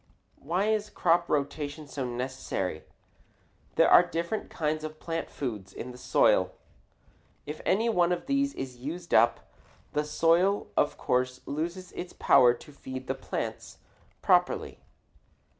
Why is crop rotation so necessary? There are different kinds of plant food in the soil. If any one of these is used up, the soil of course loses its power to feed plants properly.